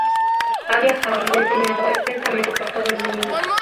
Ha viajado y enseñado extensamente por todo el mundo.